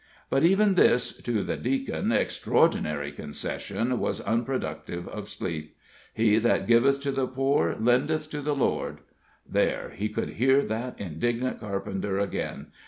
But even this (to the Deacon) extraordinary concession was unproductive of sleep. "He that giveth to the poor lendeth to the Lord." There! he could hear that indignant carpenter again.